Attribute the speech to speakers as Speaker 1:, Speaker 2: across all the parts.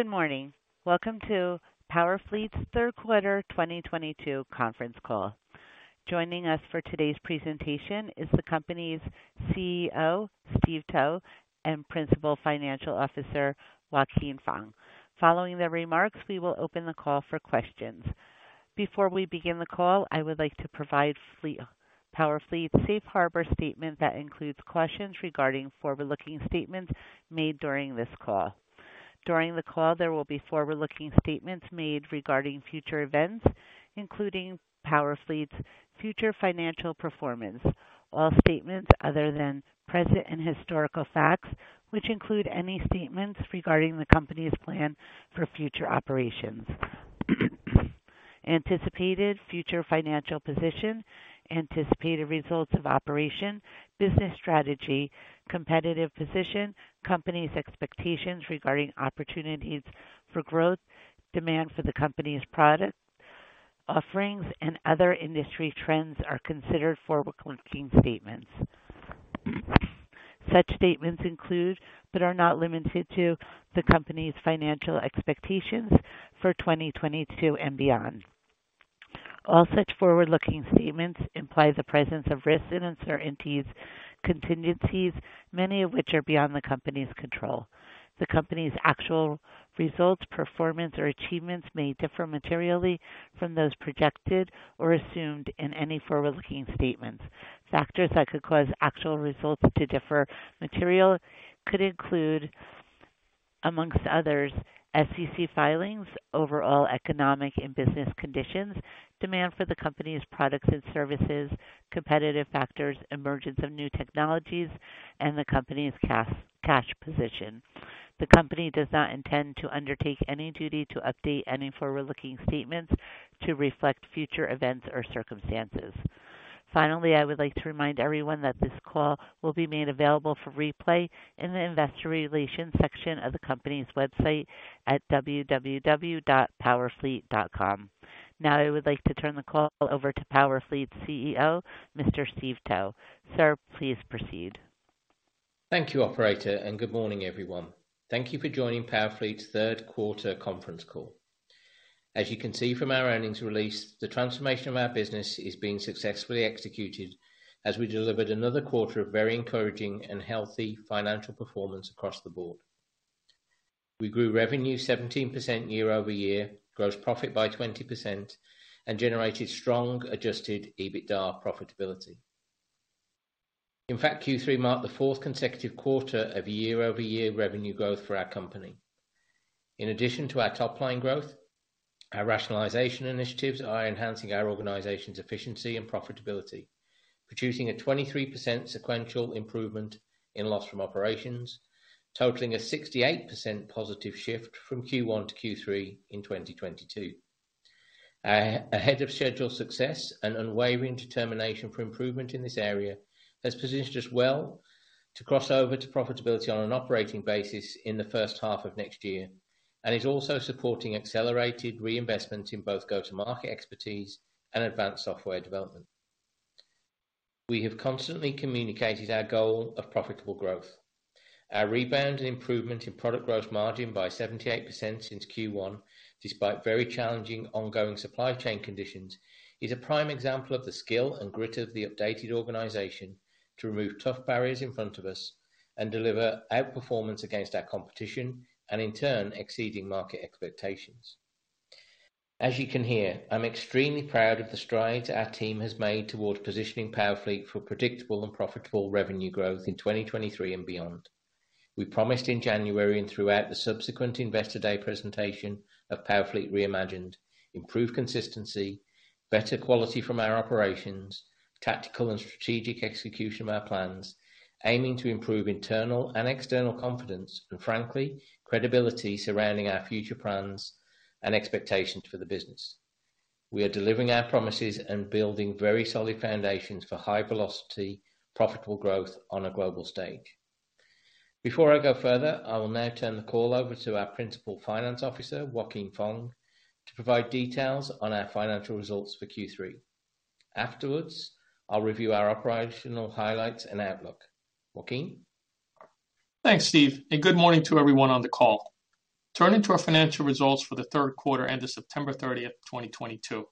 Speaker 1: Good morning. Welcome to PowerFleet's third quarter 2022 conference call. Joining us for today's presentation is the company's CEO, Steve Towe, and Principal Financial Officer, Joaquin Fong. Following the remarks, we will open the call for questions. Before we begin the call, I would like to provide PowerFleet's safe harbor statement that includes cautions regarding forward-looking statements made during this call. During the call, there will be forward-looking statements made regarding future events, including PowerFleet's future financial performance. All statements other than present and historical facts, which include any statements regarding the company's plan for future operations, anticipated future financial position, anticipated results of operation, business strategy, competitive position, company's expectations regarding opportunities for growth, demand for the company's product offerings, and other industry trends are considered forward-looking statements. Such statements include, but are not limited to, the company's financial expectations for 2022 and beyond. All such forward-looking statements imply the presence of risks and uncertainties, contingencies, many of which are beyond the company's control. The company's actual results, performance, or achievements may differ materially from those projected or assumed in any forward-looking statements. Factors that could cause actual results to differ materially could include, among others, SEC filings, overall economic and business conditions, demand for the company's products and services, competitive factors, emergence of new technologies, and the company's cash position. The company does not intend to undertake any duty to update any forward-looking statements to reflect future events or circumstances. Finally, I would like to remind everyone that this call will be made available for replay in the investor relations section of the company's website at www.powerfleet.com. Now, I would like to turn the call over to PowerFleet's CEO, Mr. Steve Towe. Sir, please proceed.
Speaker 2: Thank you, operator, and good morning, everyone. Thank you for joining PowerFleet's third quarter conference call. As you can see from our earnings release, the transformation of our business is being successfully executed as we delivered another quarter of very encouraging and healthy financial performance across the board. We grew revenue 17% year-over-year, gross profit by 20%, and generated strong adjusted EBITDA profitability. In fact, Q3 marked the fourth consecutive quarter of year-over-year revenue growth for our company. In addition to our top-line growth, our rationalization initiatives are enhancing our organization's efficiency and profitability, producing a 23% sequential improvement in loss from operations, totaling a 68% positive shift from Q1 to Q3 in 2022. Ahead of scheduled success and unwavering determination for improvement in this area has positioned us well to cross over to profitability on an operating basis in the first half of next year, and is also supporting accelerated reinvestment in both go-to-market expertise and advanced software development. We have constantly communicated our goal of profitable growth. Our rebound and improvement in product gross margin by 78% since Q1, despite very challenging ongoing supply chain conditions, is a prime example of the skill and grit of the updated organization to remove tough barriers in front of us and deliver outperformance against our competition, and in turn, exceeding market expectations. As you can hear, I'm extremely proud of the strides our team has made towards positioning PowerFleet for predictable and profitable revenue growth in 2023 and beyond. We promised in January and throughout the subsequent Investor Day presentation of PowerFleet Reimagined, improved consistency, better quality from our operations, tactical and strategic execution of our plans, aiming to improve internal and external confidence, and frankly, credibility surrounding our future plans and expectations for the business. We are delivering our promises and building very solid foundations for high velocity, profitable growth on a global stage. Before I go further, I will now turn the call over to our Principal Financial Officer, Joaquin Fong, to provide details on our financial results for Q3. Afterwards, I'll review our operational highlights and outlook. Joaquin?
Speaker 3: Good morning to everyone on the call. Turning to our financial results for the third quarter ended September 30th, 2022.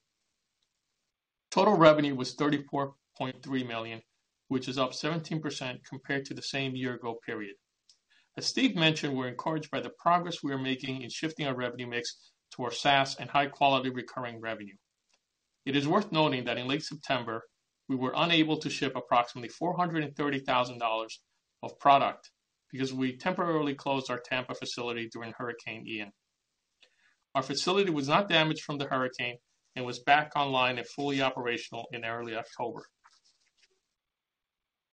Speaker 3: Total revenue was $34.3 million, which is up 17% compared to the same year-ago period. As Steve mentioned, we're encouraged by the progress we are making in shifting our revenue mix towards SaaS and high-quality recurring revenue. It is worth noting that in late September, we were unable to ship approximately $430,000 of product because we temporarily closed our Tampa facility during Hurricane Ian. Our facility was not damaged from the hurricane and was back online and fully operational in early October.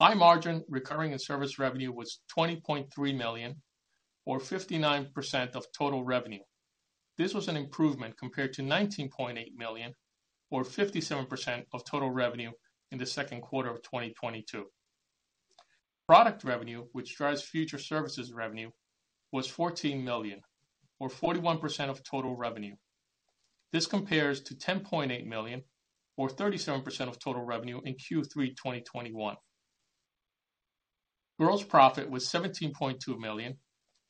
Speaker 3: High-margin recurring and service revenue was $20.3 million, or 59% of total revenue. This was an improvement compared to $19.8 million, or 57% of total revenue in the second quarter of 2022. Product revenue, which drives future services revenue, was $14 million, or 41% of total revenue. This compares to $10.8 million, or 37% of total revenue in Q3 2021. Gross profit was $17.2 million,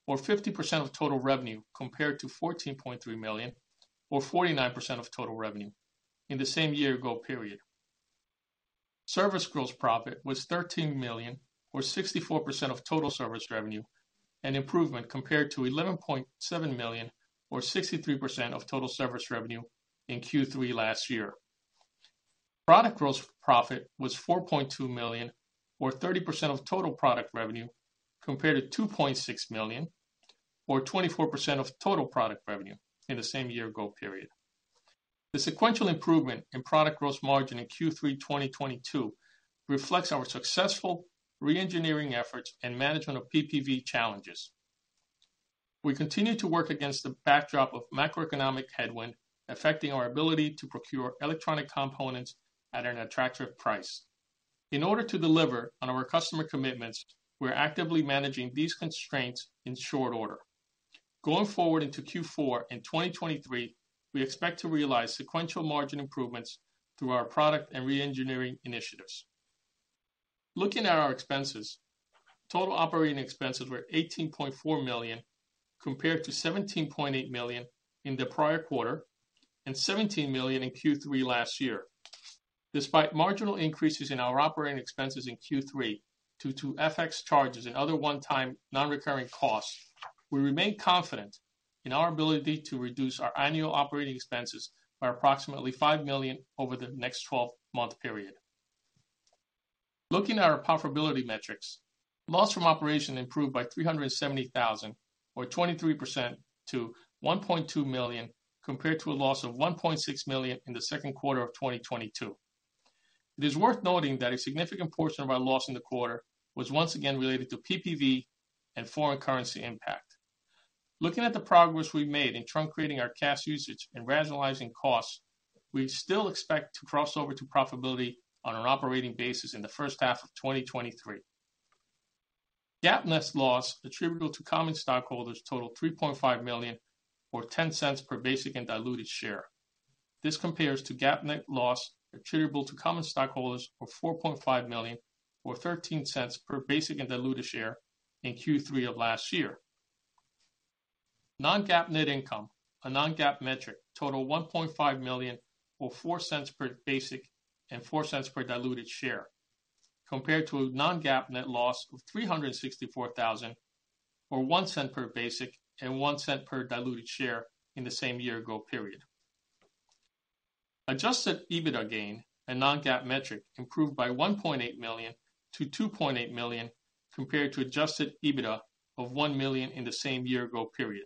Speaker 3: or 50% of total revenue, compared to $14.3 million, or 49% of total revenue in the same year-ago period. Service gross profit was $13 million, or 64% of total service revenue, an improvement compared to $11.7 million, or 63% of total service revenue in Q3 last year. Product gross profit was $4.2 million, or 30% of total product revenue, compared to $2.6 million, or 24% of total product revenue in the same year-ago period. The sequential improvement in product gross margin in Q3 2022 reflects our successful re-engineering efforts and management of PPV challenges. We continue to work against the backdrop of macroeconomic headwind affecting our ability to procure electronic components at an attractive price. In order to deliver on our customer commitments, we're actively managing these constraints in short order. Going forward into Q4 in 2023, we expect to realize sequential margin improvements through our product and re-engineering initiatives. Looking at our expenses, total operating expenses were $18.4 million, compared to $17.8 million in the prior quarter and $17 million in Q3 last year. Despite marginal increases in our operating expenses in Q3 due to FX charges and other one-time non-recurring costs, we remain confident in our ability to reduce our annual operating expenses by approximately $5 million over the next 12-month period. Looking at our profitability metrics, loss from operation improved by $370,000 or 23% to $1.2 million, compared to a loss of $1.6 million in the second quarter of 2022. It is worth noting that a significant portion of our loss in the quarter was once again related to PPV and foreign currency impact. Looking at the progress we've made in truncating our cash usage and rationalizing costs, we still expect to cross over to profitability on an operating basis in the first half of 2023. GAAP net loss attributable to common stockholders totaled $3.5 million, or $0.10 per basic and diluted share. This compares to GAAP net loss attributable to common stockholders of $4.5 million or $0.13 per basic and diluted share in Q3 of last year. Non-GAAP net income, a non-GAAP metric, totaled $1.5 million, or $0.04 per basic, and $0.04 per diluted share, compared to a non-GAAP net loss of $364,000, or $0.01 per basic and $0.01 per diluted share in the same year-ago period. Adjusted EBITDA gain, a non-GAAP metric, improved by $1.8 million to $2.8 million, compared to adjusted EBITDA of $1 million in the same year-ago period.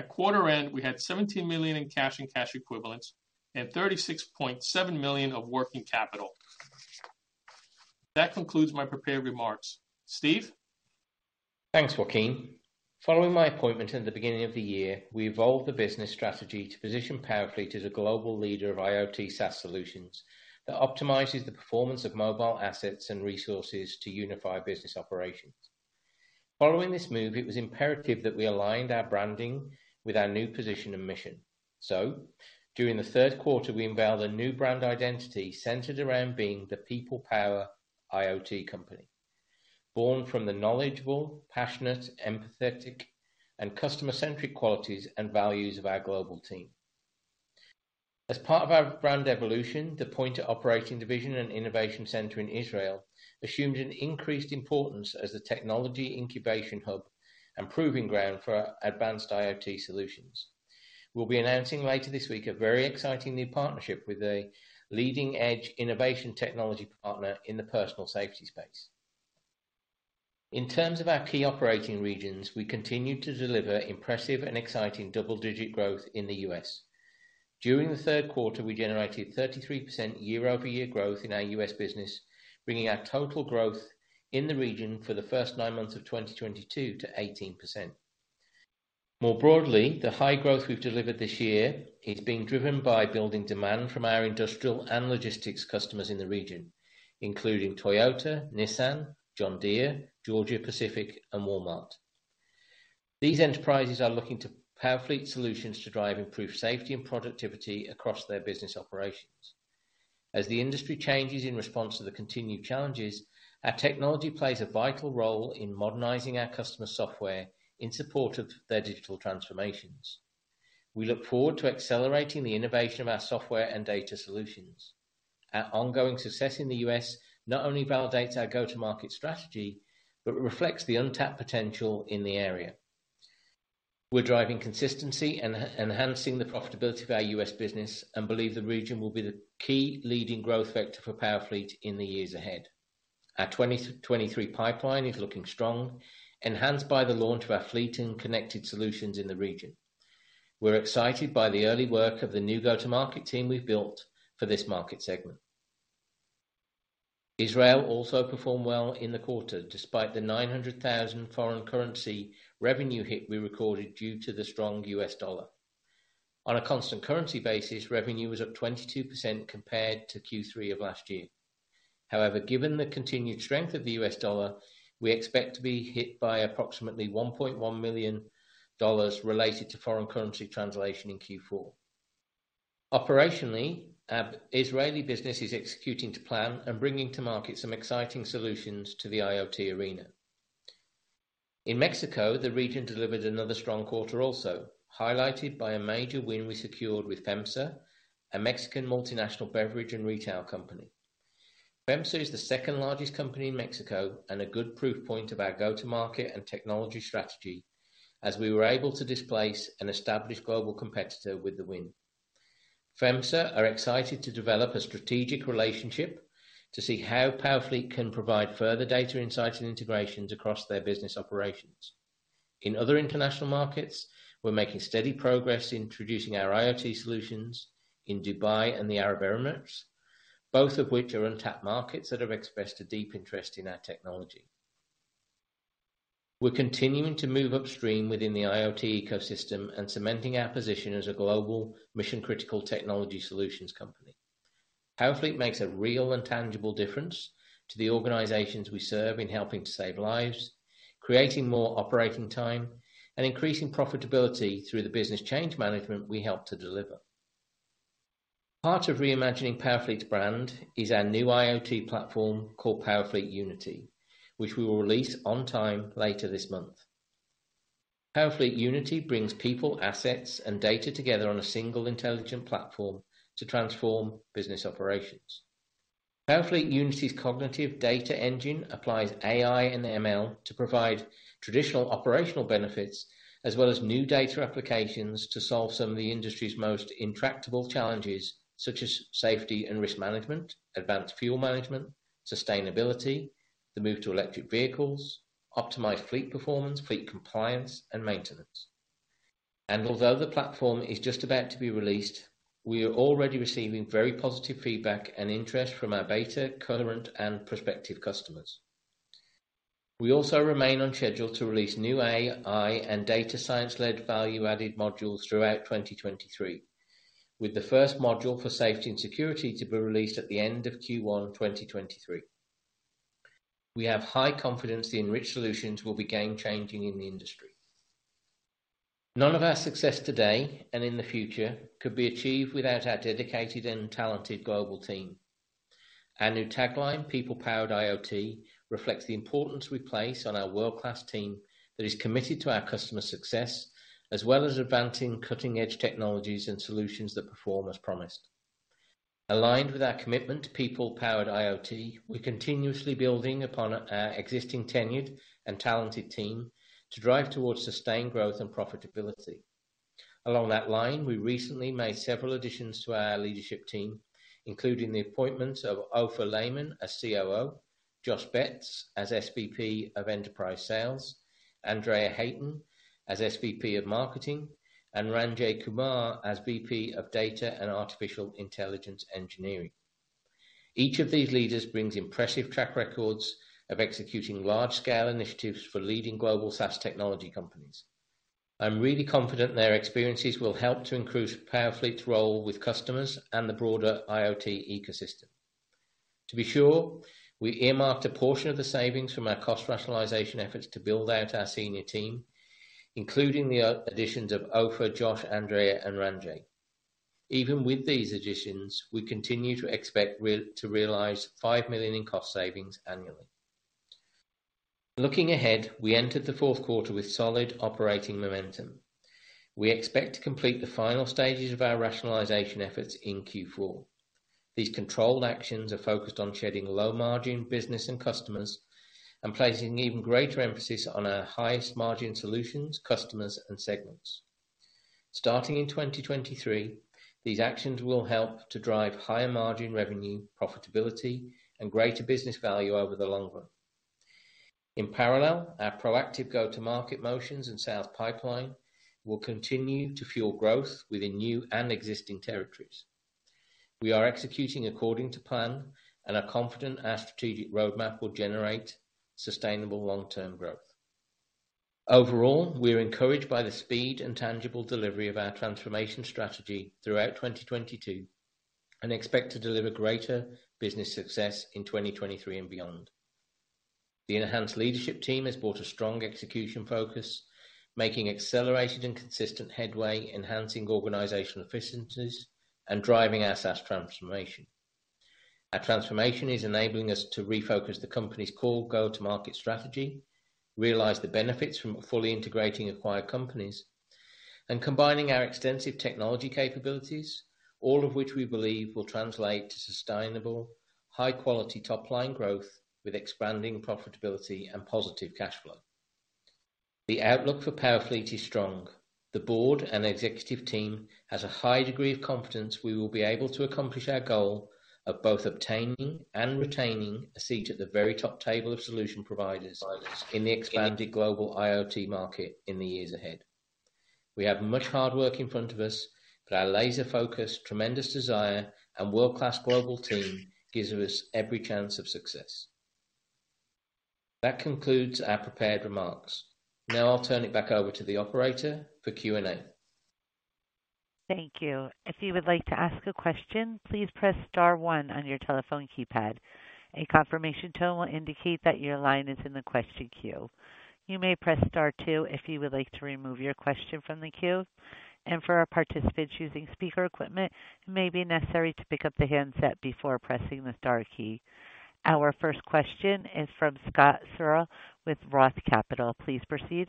Speaker 3: At quarter end, we had $17 million in cash and cash equivalents and $36.7 million of working capital. That concludes my prepared remarks. Steve?
Speaker 2: Thanks, Joaquin. Following my appointment in the beginning of the year, we evolved the business strategy to position PowerFleet as a global leader of IoT SaaS solutions that optimizes the performance of mobile assets and resources to unify business operations. Following this move, it was imperative that we aligned our branding with our new position and mission. During the third quarter, we unveiled a new brand identity centered around being the people power IoT company. Born from the knowledgeable, passionate, empathetic, and customer-centric qualities and values of our global team. As part of our brand evolution, the Pointer operating division and innovation center in Israel assumed an increased importance as the technology incubation hub and proving ground for our advanced IoT solutions. We'll be announcing later this week a very exciting new partnership with a leading-edge innovation technology partner in the personal safety space. In terms of our key operating regions, we continue to deliver impressive and exciting double-digit growth in the U.S. During the third quarter, we generated 33% year-over-year growth in our U.S. business, bringing our total growth in the region for the first nine months of 2022 to 18%. More broadly, the high growth we've delivered this year is being driven by building demand from our industrial and logistics customers in the region, including Toyota, Nissan, John Deere, Georgia-Pacific, and Walmart. These enterprises are looking to PowerFleet solutions to drive improved safety and productivity across their business operations. As the industry changes in response to the continued challenges, our technology plays a vital role in modernizing our customer software in support of their digital transformations. We look forward to accelerating the innovation of our software and data solutions. Our ongoing success in the U.S. not only validates our go-to-market strategy, but reflects the untapped potential in the area. We're driving consistency and enhancing the profitability of our U.S. business and believe the region will be the key leading growth vector for PowerFleet in the years ahead. Our 2023 pipeline is looking strong, enhanced by the launch of our fleet and connected solutions in the region. We're excited by the early work of the new go-to-market team we've built for this market segment. Israel also performed well in the quarter, despite the $900,000 foreign currency revenue hit we recorded due to the strong U.S. dollar. On a constant currency basis, revenue was up 22% compared to Q3 of last year. However, given the continued strength of the U.S. dollar, we expect to be hit by approximately $1.1 million related to foreign currency translation in Q4. Operationally, our Israeli business is executing to plan and bringing to market some exciting solutions to the IoT arena. In Mexico, the region delivered another strong quarter also, highlighted by a major win we secured with FEMSA, a Mexican multinational beverage and retail company. FEMSA is the second largest company in Mexico and a good proof point of our go-to-market and technology strategy, as we were able to displace an established global competitor with the win. FEMSA are excited to develop a strategic relationship to see how PowerFleet can provide further data insights and integrations across their business operations. In other international markets, we're making steady progress introducing our IoT solutions in Dubai and the United Arab Emirates, both of which are untapped markets that have expressed a deep interest in our technology. We're continuing to move upstream within the IoT ecosystem and cementing our position as a global mission-critical technology solutions company. PowerFleet makes a real and tangible difference to the organizations we serve in helping to save lives, creating more operating time, and increasing profitability through the business change management we help to deliver. Part of reimagining PowerFleet's brand is our new IoT platform called PowerFleet Unity, which we will release on time later this month. PowerFleet Unity brings people, assets, and data together on a single intelligent platform to transform business operations. PowerFleet Unity's cognitive data engine applies AI and ML to provide traditional operational benefits as well as new data applications to solve some of the industry's most intractable challenges, such as safety and risk management, advanced fuel management, sustainability, the move to electric vehicles, optimized fleet performance, fleet compliance, and maintenance. Although the platform is just about to be released, we are already receiving very positive feedback and interest from our beta, current, and prospective customers. We also remain on schedule to release new AI and data science-led value-added modules throughout 2023, with the first module for safety and security to be released at the end of Q1 2023. We have high confidence the enriched solutions will be game-changing in the industry. None of our success today and in the future could be achieved without our dedicated and talented global team. Our new tagline, People-Powered IoT, reflects the importance we place on our world-class team that is committed to our customers' success, as well as advancing cutting-edge technologies and solutions that perform as promised. Aligned with our commitment to People-Powered IoT, we're continuously building upon our existing tenured and talented team to drive towards sustained growth and profitability. Along that line, we recently made several additions to our leadership team, including the appointments of Ofer Lehmann as COO, Josh Betts as SVP of Enterprise Sales, Andrea Hayton as SVP of Marketing, and Ranjit Kumar as VP of Data and Artificial Intelligence Engineering. Each of these leaders brings impressive track records of executing large-scale initiatives for leading global SaaS technology companies. I'm really confident their experiences will help to increase PowerFleet's role with customers and the broader IoT ecosystem. To be sure, we earmarked a portion of the savings from our cost rationalization efforts to build out our senior team, including the additions of Offer, Josh, Andrea, and Ranjay. Even with these additions, we continue to expect to realize $5 million in cost savings annually. Looking ahead, we entered the fourth quarter with solid operating momentum. We expect to complete the final stages of our rationalization efforts in Q4. These controlled actions are focused on shedding low-margin business and customers and placing even greater emphasis on our highest margin solutions, customers, and segments. Starting in 2023, these actions will help to drive higher margin revenue, profitability, and greater business value over the long run. In parallel, our proactive go-to-market motions and sales pipeline will continue to fuel growth within new and existing territories. We are executing according to plan and are confident our strategic roadmap will generate sustainable long-term growth. Overall, we are encouraged by the speed and tangible delivery of our transformation strategy throughout 2022 and expect to deliver greater business success in 2023 and beyond. The enhanced leadership team has brought a strong execution focus, making accelerated and consistent headway, enhancing organizational efficiencies, and driving our SaaS transformation. Our transformation is enabling us to refocus the company's core go-to-market strategy, realize the benefits from fully integrating acquired companies, and combining our extensive technology capabilities, all of which we believe will translate to sustainable, high-quality top-line growth with expanding profitability and positive cash flow. The outlook for PowerFleet is strong. The board and executive team has a high degree of confidence we will be able to accomplish our goal of both obtaining and retaining a seat at the very top table of solution providers in the expanded global IoT market in the years ahead. We have much hard work in front of us, but our laser focus, tremendous desire, and world-class global team gives us every chance of success. That concludes our prepared remarks. Now I'll turn it back over to the operator for Q&A.
Speaker 1: Thank you. If you would like to ask a question, please press star 1 on your telephone keypad. A confirmation tone will indicate that your line is in the question queue. You may press star 2 if you would like to remove your question from the queue, and for our participants using speaker equipment, it may be necessary to pick up the handset before pressing the star key. Our first question is from Scott Searle with Roth Capital. Please proceed.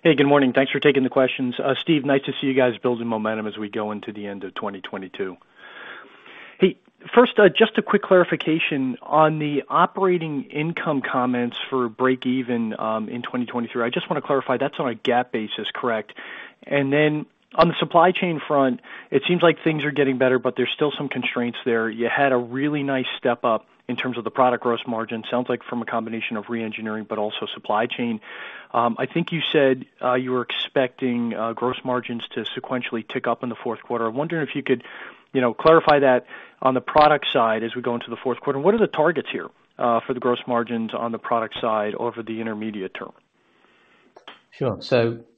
Speaker 4: Hey, good morning. Thanks for taking the questions. Steve, nice to see you guys building momentum as we go into the end of 2022. First, just a quick clarification on the operating income comments for breakeven in 2023. I just want to clarify, that's on a GAAP basis, correct? On the supply chain front, it seems like things are getting better, but there's still some constraints there. You had a really nice step up in terms of the product gross margin, sounds like from a combination of re-engineering but also supply chain. I think you said you were expecting gross margins to sequentially tick up in the fourth quarter. I'm wondering if you could clarify that on the product side as we go into the fourth quarter. What are the targets here for the gross margins on the product side over the intermediate term?
Speaker 2: Sure.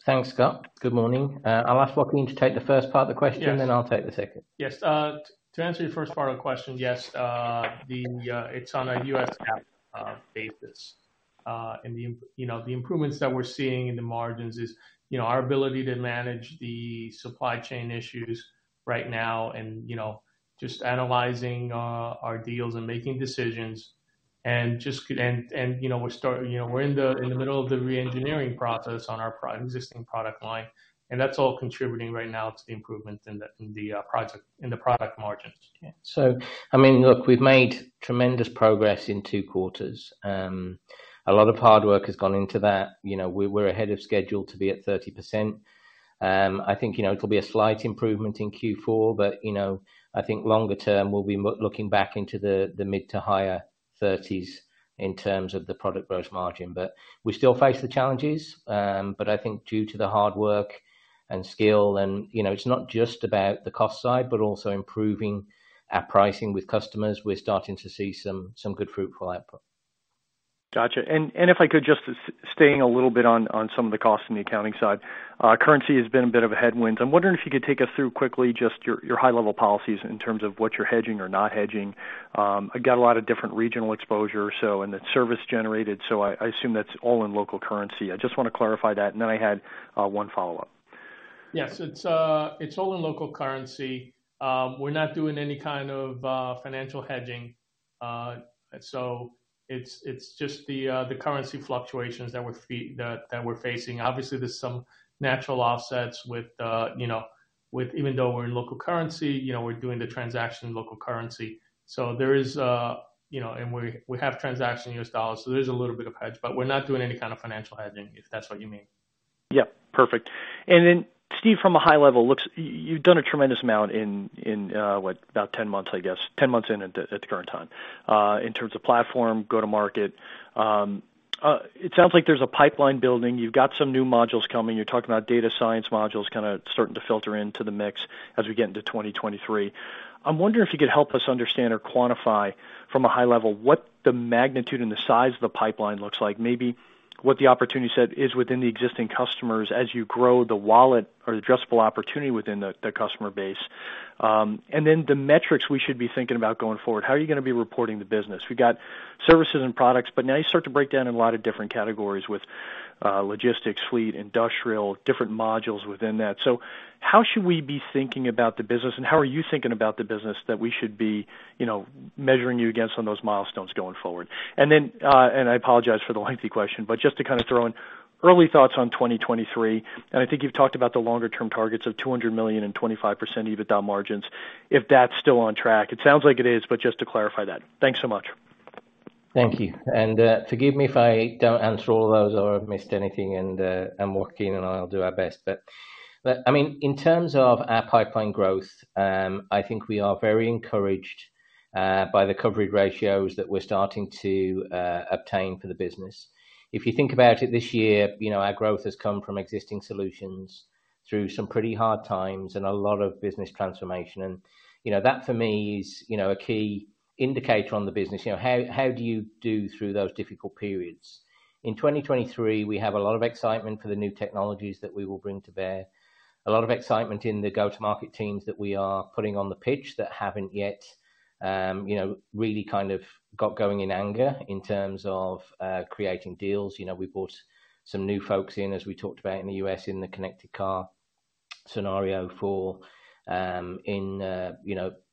Speaker 2: Thanks, Scott. Good morning. I'll ask Joaquin to take the first part of the question.
Speaker 3: Yes
Speaker 2: I'll take the second.
Speaker 3: Yes. To answer your first part of the question, yes, it's on a U.S. GAAP basis. The improvements that we're seeing in the margins is our ability to manage the supply chain issues right now and just analyzing our deals and making decisions and we're in the middle of the re-engineering process on our existing product line, and that's all contributing right now to the improvements in the product margins.
Speaker 2: Look, we've made tremendous progress in two quarters. A lot of hard work has gone into that. We're ahead of schedule to be at 30%. I think it'll be a slight improvement in Q4, but I think longer term, we'll be looking back into the mid to higher thirties in terms of the product gross margin. We still face the challenges. I think due to the hard work and skill and it's not just about the cost side, but also improving our pricing with customers. We're starting to see some good fruitful output.
Speaker 4: Got you. If I could just staying a little bit on some of the costs on the accounting side. Currency has been a bit of a headwind. I'm wondering if you could take us through quickly just your high level policies in terms of what you're hedging or not hedging. I got a lot of different regional exposure, so and it's service generated, so I assume that's all in local currency. I just want to clarify that, and then I had one follow-up.
Speaker 3: Yes. It's all in local currency. We're not doing any kind of financial hedging. It's just the currency fluctuations that we're facing. Obviously, there's some natural offsets with even though we're in local currency, we're doing the transaction in local currency. We have transaction in U.S. dollars, so there's a little bit of hedge, but we're not doing any kind of financial hedging, if that's what you mean.
Speaker 4: Yep. Perfect. Steve, from a high level look, you've done a tremendous amount in what? About 10 months, I guess. 10 months in at the current time. In terms of platform, go to market. It sounds like there's a pipeline building. You've got some new modules coming. You're talking about data science modules kind of starting to filter into the mix as we get into 2023. I'm wondering if you could help us understand or quantify from a high level what the magnitude and the size of the pipeline looks like. Maybe what the opportunity set is within the existing customers as you grow the wallet or addressable opportunity within the customer base. The metrics we should be thinking about going forward. How are you going to be reporting the business? Now you start to break down in a lot of different categories with logistics, fleet, industrial, different modules within that. How should we be thinking about the business, and how are you thinking about the business that we should be measuring you against on those milestones going forward? I apologize for the lengthy question, but just to kind of throw in early thoughts on 2023. I think you've talked about the longer term targets of $200 million and 25% EBITDA margins, if that's still on track. It sounds like it is, but just to clarify that. Thanks so much.
Speaker 2: Thank you. Forgive me if I don't answer all of those or missed anything, Joaquin and I'll do our best. In terms of our pipeline growth, I think we are very encouraged by the coverage ratios that we're starting to obtain for the business. If you think about it this year, our growth has come from existing solutions through some pretty hard times and a lot of business transformation. That for me is a key indicator on the business. How do you do through those difficult periods? In 2023, we have a lot of excitement for the new technologies that we will bring to bear. A lot of excitement in the go-to-market teams that we are putting on the pitch that haven't yet really kind of got going in anger in terms of creating deals. We brought some new folks in, as we talked about in the U.S., in the connected car scenario for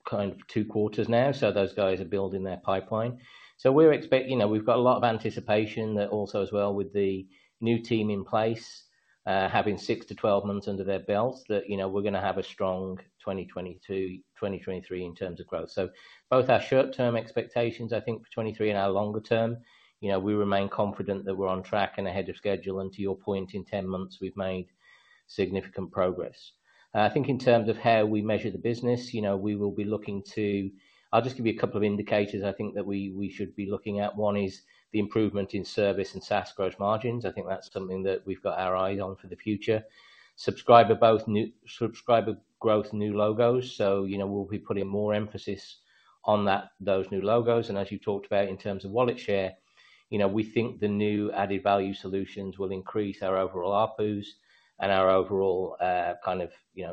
Speaker 2: kind of two quarters now. Those guys are building their pipeline. We've got a lot of anticipation that also as well with the new team in place, having 6 to 12 months under their belts, that we're going to have a strong 2022, 2023 in terms of growth. Both our short-term expectations, I think for 2023 and our longer term, we remain confident that we're on track and ahead of schedule. To your point, in 10 months, we've made significant progress. I think in terms of how we measure the business, we will be looking to. I'll just give you a couple of indicators I think that we should be looking at. One is the improvement in service and SaaS gross margins. I think that's something that we've got our eye on for the future. Subscriber growth, new logos. We'll be putting more emphasis on those new logos. As you talked about in terms of wallet share, we think the new added-value solutions will increase our overall ARPU and our overall kind of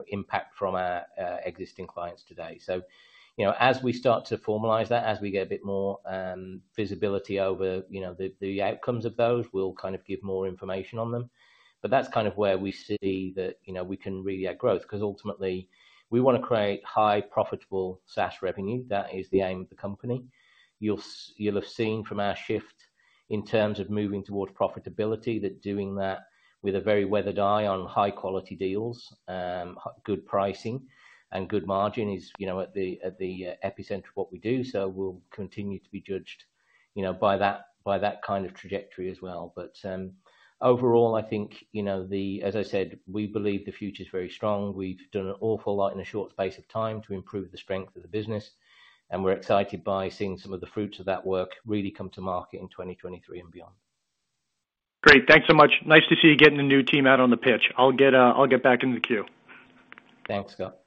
Speaker 2: impact from our existing clients today. As we start to formalize that, as we get a bit more visibility over the outcomes of those, we'll kind of give more information on them. That's kind of where we see that we can really add growth, because ultimately we want to create high profitable SaaS revenue. That is the aim of the company. You'll have seen from our shift in terms of moving towards profitability, they're doing that with a very weathered eye on high quality deals. Good pricing and good margin is at the epicenter of what we do. We'll continue to be judged by that kind of trajectory as well. Overall, as I said, we believe the future's very strong. We've done an awful lot in a short space of time to improve the strength of the business, and we're excited by seeing some of the fruits of that work really come to market in 2023 and beyond.
Speaker 4: Great. Thanks so much. Nice to see you getting the new team out on the pitch. I'll get back into the queue.
Speaker 2: Thanks, Scott.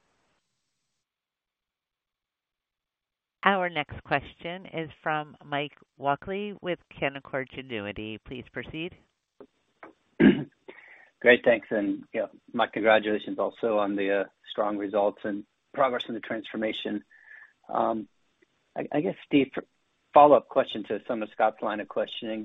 Speaker 1: Our next question is from Mike Walkley with Canaccord Genuity. Please proceed.
Speaker 5: Great. Thanks. Mike, congratulations also on the strong results and progress in the transformation. Steve, follow-up question to some of Scott's line of questioning.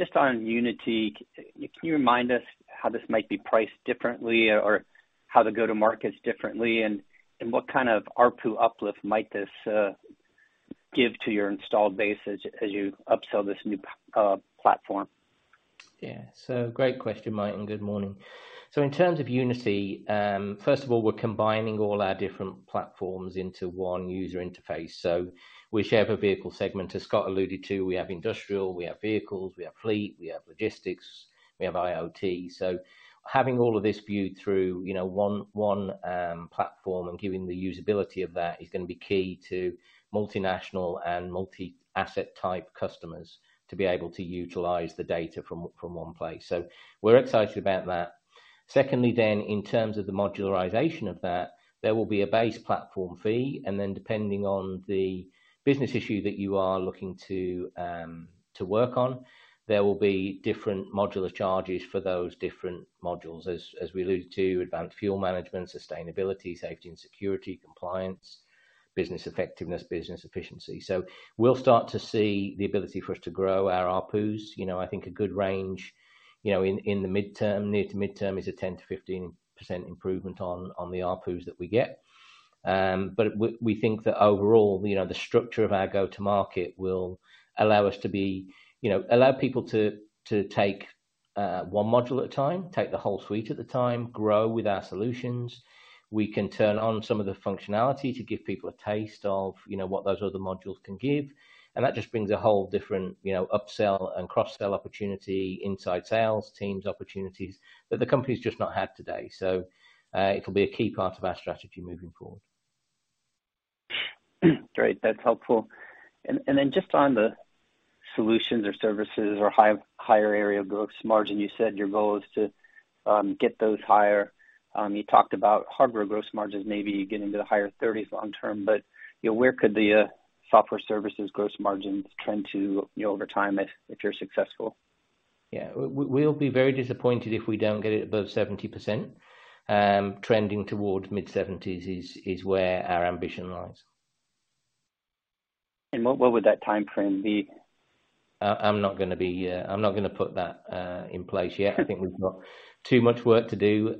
Speaker 5: On PowerFleet Unity, can you remind us how this might be priced differently or how the go to market is differently, and what kind of ARPU uplift might this give to your installed base as you upsell this new platform?
Speaker 2: Great question, Mike, and good morning. In terms of PowerFleet Unity, first of all, we're combining all our different platforms into one user interface. Whichever vehicle segment, as Scott alluded to, we have industrial, we have vehicles, we have fleet, we have logistics, we have IoT. Having all of this viewed through one platform and giving the usability of that is going to be key to multinational and multi-asset type customers to be able to utilize the data from one place. We're excited about that. Secondly, in terms of the modularization of that, there will be a base platform fee, depending on the business issue that you are looking to work on, there will be different modular charges for those different modules. As we alluded to, advanced fuel management, sustainability, safety and security, compliance, business effectiveness, business efficiency. We'll start to see the ability for us to grow our ARPUs. I think a good range in the near to midterm is a 10%-15% improvement on the ARPUs that we get. We think that overall, the structure of our go to market will allow people to take one module at a time, take the whole suite at a time, grow with our solutions. We can turn on some of the functionality to give people a taste of what those other modules can give, and that just brings a whole different upsell and cross-sell opportunity, inside sales teams opportunities that the company's just not had today. It'll be a key part of our strategy moving forward.
Speaker 5: Great. That's helpful. Then just on the solutions or services or higher area gross margin, you said your goal is to get those higher. You talked about hardware gross margins maybe getting to the higher 30s long term, where could the software services gross margins trend to over time if you're successful?
Speaker 2: Yeah. We'll be very disappointed if we don't get it above 70%. Trending towards mid-70s is where our ambition lies.
Speaker 5: What would that timeframe be?
Speaker 2: I'm not going to put that in place yet. I think we've got too much work to do.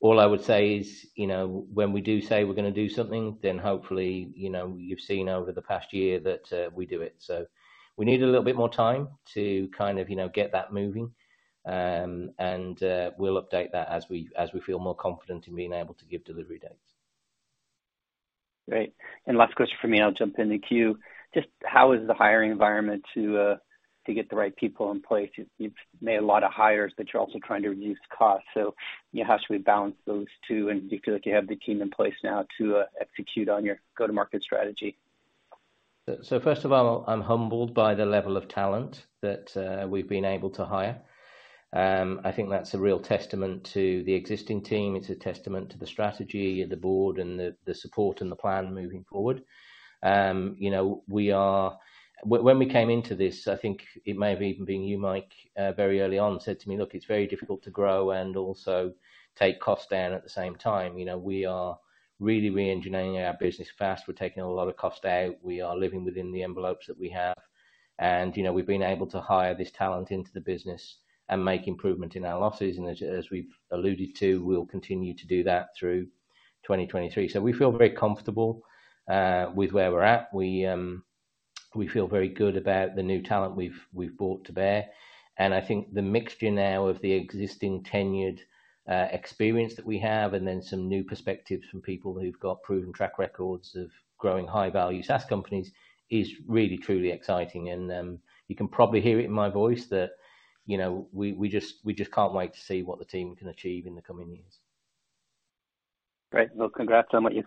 Speaker 2: All I would say is when we do say we're going to do something, then hopefully you've seen over the past year that we do it. We need a little bit more time to kind of get that moving. We'll update that as we feel more confident in being able to give delivery dates.
Speaker 5: Great. Last question from me, and I'll jump in the queue. Just how is the hiring environment to get the right people in place? You've made a lot of hires, but you're also trying to reduce costs. How should we balance those two? Do you feel like you have the team in place now to execute on your go to market strategy?
Speaker 2: First of all, I'm humbled by the level of talent that we've been able to hire. I think that's a real testament to the existing team. It's a testament to the strategy and the board and the support and the plan moving forward. When we came into this, I think it may have even been you, Mike, very early on, said to me, "Look, it's very difficult to grow and also take costs down at the same time." We are really re-engineering our business fast. We're taking a lot of cost out. We are living within the envelopes that we have. We've been able to hire this talent into the business and make improvement in our losses. As we've alluded to, we'll continue to do that through 2023. We feel very comfortable with where we're at. We feel very good about the new talent we've brought to bear, I think the mixture now of the existing tenured experience that we have and then some new perspectives from people who've got proven track records of growing high value SaaS companies is really truly exciting. You can probably hear it in my voice that we just can't wait to see what the team can achieve in the coming years.
Speaker 5: Great. Well, congrats on what you've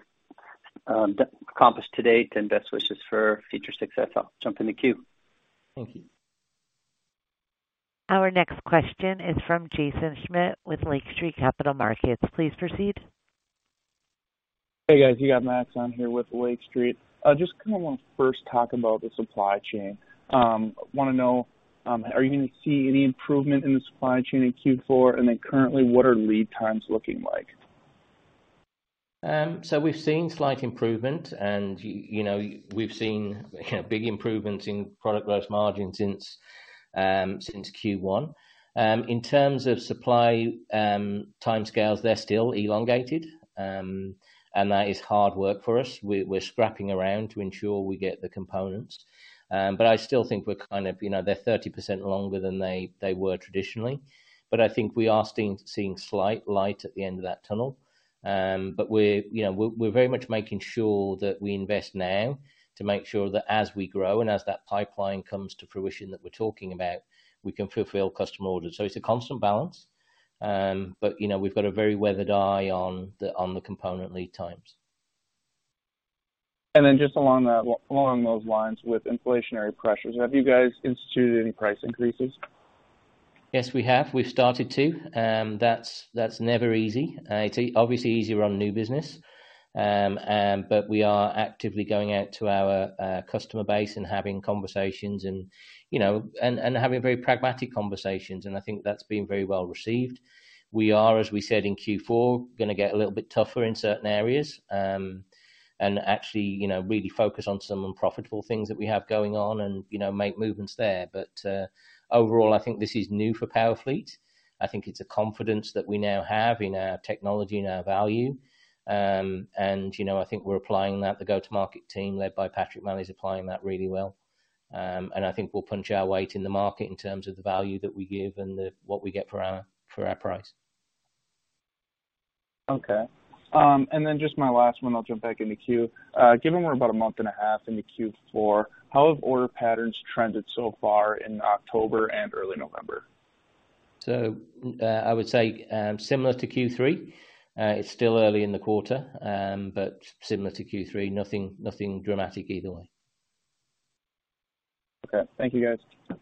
Speaker 5: accomplished to date and best wishes for future success. I'll jump in the queue.
Speaker 2: Thank you.
Speaker 1: Our next question is from Jaeson Schmidt with Lake Street Capital Markets. Please proceed.
Speaker 6: Hey, guys. You got Max on here with Lake Street. Kind of want to first talk about the supply chain. Want to know, are you going to see any improvement in the supply chain in Q4? Currently, what are lead times looking like?
Speaker 2: We've seen slight improvement and we've seen big improvements in product gross margin since Q1. In terms of supply timescales, they're still elongated, and that is hard work for us. We're scrapping around to ensure we get the components. I still think they're 30% longer than they were traditionally. I think we are seeing slight light at the end of that tunnel. We're very much making sure that we invest now to make sure that as we grow and as that pipeline comes to fruition that we're talking about, we can fulfill customer orders. It's a constant balance. We've got a very weathered eye on the component lead times.
Speaker 6: Just along those lines with inflationary pressures, have you guys instituted any price increases?
Speaker 2: Yes, we have. We've started to. That's never easy. It's obviously easier on new business. We are actively going out to our customer base and having conversations and having very pragmatic conversations, and I think that's been very well received. We are, as we said, in Q4, going to get a little bit tougher in certain areas. Actually, really focus on some unprofitable things that we have going on and make movements there. Overall, I think this is new for PowerFleet. I think it's a confidence that we now have in our technology and our value. I think we're applying that. The go-to-market team, led by Patrick Maley, is applying that really well. I think we'll punch our weight in the market in terms of the value that we give and what we get for our price.
Speaker 6: Okay. Just my last one, I'll jump back in the queue. Given we're about a month and a half into Q4, how have order patterns trended so far in October and early November?
Speaker 2: I would say similar to Q3. It's still early in the quarter, but similar to Q3. Nothing dramatic either way.
Speaker 6: Okay. Thank you, guys.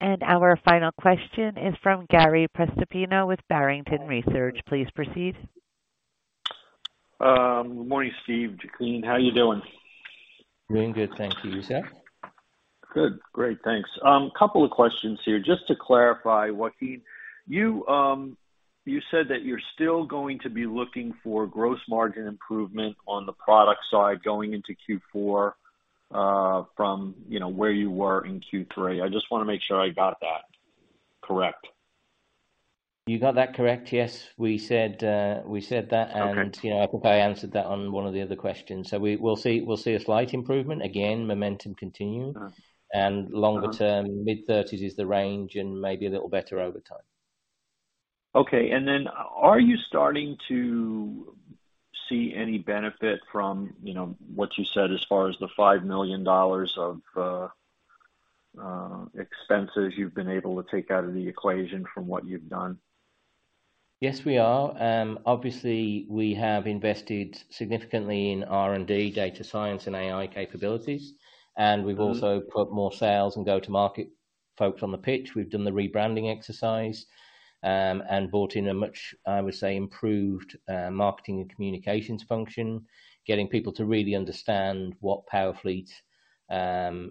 Speaker 1: Our final question is from Gary Prestopino with Barrington Research. Please proceed.
Speaker 7: Good morning, Steve, Joaquin. How are you doing?
Speaker 2: Doing good, thank you, sir.
Speaker 7: Good. Great. Thanks. Couple of questions here. Just to clarify, Joaquin, you said that you're still going to be looking for gross margin improvement on the product side going into Q4 from where you were in Q3. I just want to make sure I got that correct.
Speaker 2: You got that correct, yes. We said that.
Speaker 7: Okay
Speaker 2: I think I answered that on one of the other questions. We'll see a slight improvement. Again, momentum continuing. Longer term, mid-30s is the range and maybe a little better over time.
Speaker 7: Okay. Are you starting to see any benefit from what you said as far as the $5 million of expenses you've been able to take out of the equation from what you've done?
Speaker 2: Yes, we are. Obviously, we have invested significantly in R&D, data science, and AI capabilities. We've put more sales and go-to-market folks on the pitch. We've done the rebranding exercise, and brought in a much, I would say, improved marketing and communications function, getting people to really understand what PowerFleet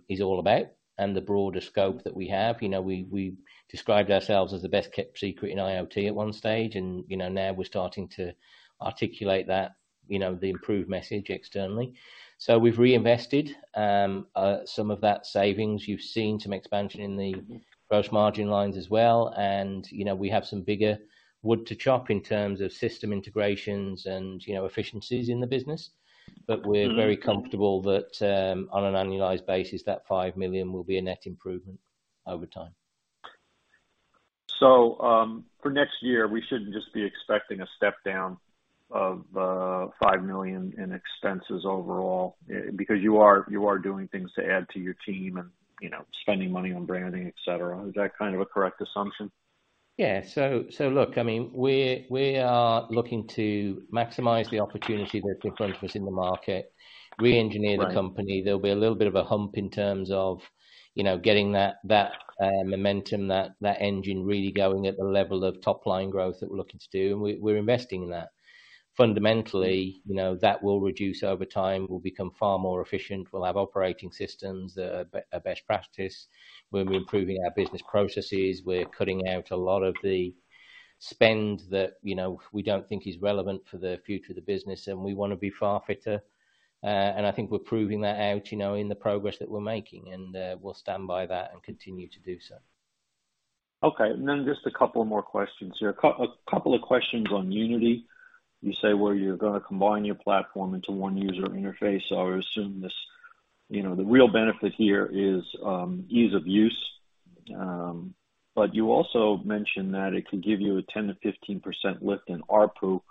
Speaker 2: is all about and the broader scope that we have. We described ourselves as the best-kept secret in IoT at one stage, and now we're starting to articulate the improved message externally. We've reinvested some of that savings. You've seen some expansion in the gross margin lines as well, and we have some bigger wood to chop in terms of system integrations and efficiencies in the business. We're very comfortable that on an annualized basis, that $5 million will be a net improvement over time.
Speaker 7: For next year, we shouldn't just be expecting a step down of $5 million in expenses overall because you are doing things to add to your team and spending money on branding, et cetera. Is that kind of a correct assumption?
Speaker 2: Look, we are looking to maximize the opportunity that's in front of us in the market, re-engineer the company. There'll be a little bit of a hump in terms of getting that momentum, that engine really going at the level of top-line growth that we're looking to do. We're investing in that. Fundamentally, that will reduce over time. We'll become far more efficient. We'll have operating systems that are best practice. We'll be improving our business processes. We're cutting out a lot of the spend that we don't think is relevant for the future of the business. We want to be far fitter. I think we're proving that out in the progress that we're making, and we'll stand by that and continue to do so.
Speaker 7: Okay. Just a couple more questions here. A couple of questions on Unity. You say where you're going to combine your platform into one user interface. I would assume the real benefit here is ease of use. You also mentioned that it could give you a 10%-15% lift in ARPU.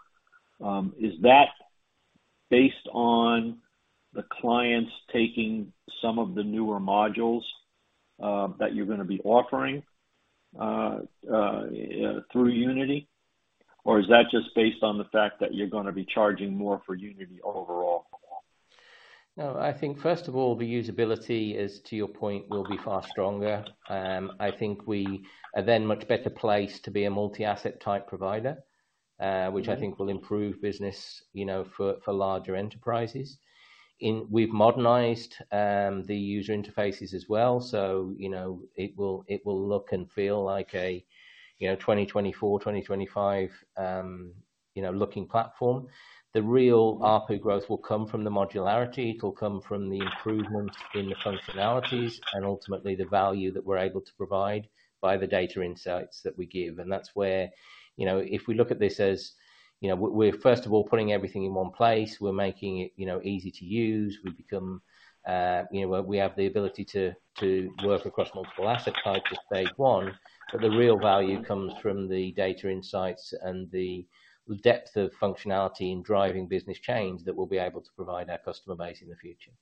Speaker 7: Is that based on the clients taking some of the newer modules that you're going to be offering through Unity? Or is that just based on the fact that you're going to be charging more for Unity overall?
Speaker 2: No. I think, first of all, the usability is, to your point, will be far stronger. I think we are then much better placed to be a multi-asset type provider Which I think will improve business for larger enterprises. We've modernized the user interfaces as well. It will look and feel like a 2024, 2025 looking platform. The real ARPU growth will come from the modularity, it'll come from the improvement in the functionalities, and ultimately the value that we're able to provide by the data insights that we give. That's where if we look at this as we're first of all putting everything in one place, we're making it easy to use, we have the ability to work across multiple asset types is phase 1. The real value comes from the data insights and the depth of functionality in driving business change that we'll be able to provide our customer base in the future.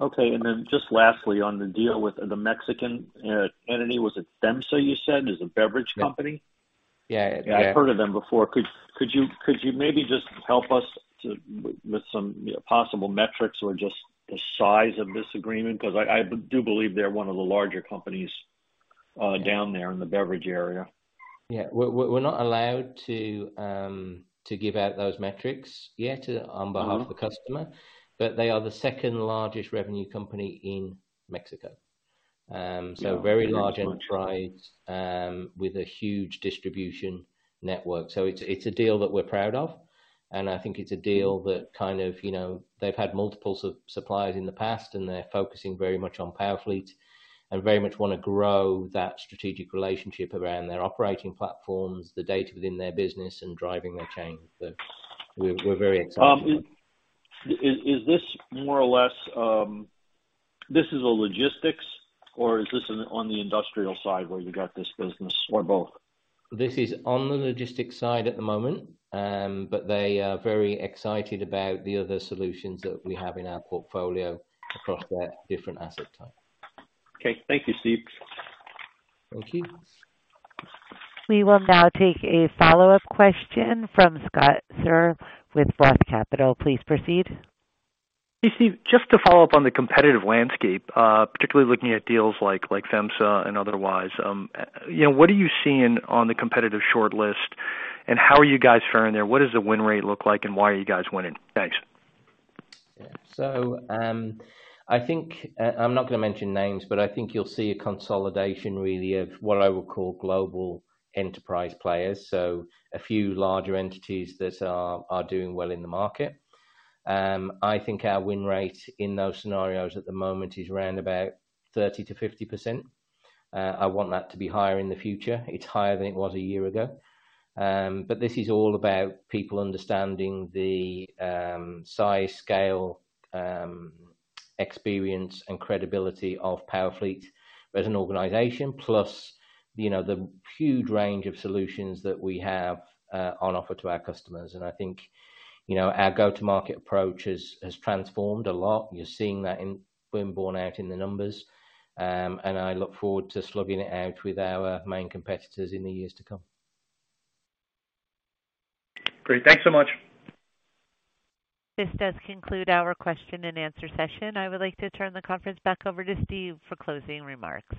Speaker 7: Okay, then just lastly on the deal with the Mexican entity, was it FEMSA, you said, is a beverage company?
Speaker 2: Yeah.
Speaker 7: I've heard of them before. Could you maybe just help us with some possible metrics or just the size of this agreement? I do believe they're one of the larger companies down there in the beverage area.
Speaker 2: Yeah. We're not allowed to give out those metrics yet on behalf of the customer, but they are the second largest revenue company in Mexico. Very large enterprise with a huge distribution network. It's a deal that we're proud of, and I think it's a deal that kind of they've had multiple suppliers in the past, and they're focusing very much on PowerFleet and very much want to grow that strategic relationship around their operating platforms, the data within their business, and driving their change. We're very excited.
Speaker 7: Is this more or less a logistics or is this on the industrial side where you got this business or both?
Speaker 2: This is on the logistics side at the moment, but they are very excited about the other solutions that we have in our portfolio across their different asset types.
Speaker 7: Okay. Thank you, Steve.
Speaker 2: Thank you.
Speaker 1: We will now take a follow-up question from Scott Searle with Roth Capital. Please proceed.
Speaker 4: Hey, Steve. Just to follow up on the competitive landscape, particularly looking at deals like FEMSA and otherwise. What are you seeing on the competitive shortlist, and how are you guys faring there? What does the win rate look like, and why are you guys winning? Thanks.
Speaker 2: I think, I'm not going to mention names, but I think you'll see a consolidation really of what I would call global enterprise players, a few larger entities that are doing well in the market. I think our win rate in those scenarios at the moment is around 30%-50%. I want that to be higher in the future. It's higher than it was a year ago. This is all about people understanding the size, scale, experience, and credibility of PowerFleet as an organization, plus the huge range of solutions that we have on offer to our customers. I think our go-to-market approach has transformed a lot. You're seeing that being borne out in the numbers. I look forward to slugging it out with our main competitors in the years to come.
Speaker 4: Great. Thanks so much.
Speaker 1: This does conclude our question and answer session. I would like to turn the conference back over to Steve for closing remarks.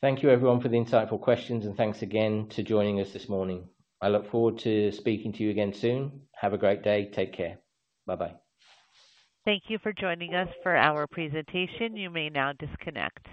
Speaker 2: Thank you everyone for the insightful questions, and thanks again to joining us this morning. I look forward to speaking to you again soon. Have a great day. Take care. Bye-bye.
Speaker 1: Thank you for joining us for our presentation. You may now disconnect.